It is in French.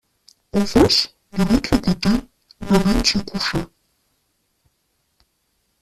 En face, de l’autre côté, la lune se couchait.